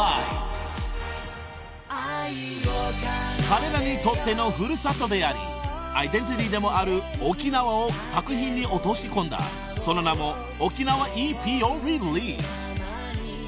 ［彼らにとっての古里でありアイデンティティーでもある沖縄を作品に落とし込んだその名も『ＯＫＮＷ．ｅｐ』をリリース］